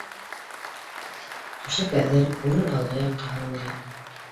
Түшәк әҙер, урын алғы яҡҡа һалынған